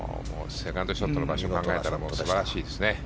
セカンドショットの場所を考えたら素晴らしいですね。